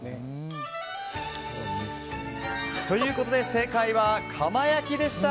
正解は、窯焼きでした。